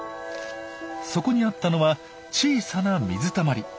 そこにあったのは小さな水たまり。